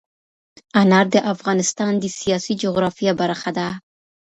انار د افغانستان د سیاسي جغرافیه برخه ده.